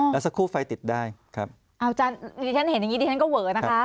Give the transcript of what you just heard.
แล้วสักครู่ไฟติดได้ครับอาจารย์ดิฉันเห็นอย่างงี้ดิฉันก็เวอนะคะ